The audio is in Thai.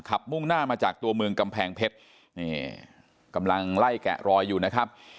มุ่งหน้ามาจากตัวเมืองกำแพงเพชรนี่กำลังไล่แกะรอยอยู่นะครับ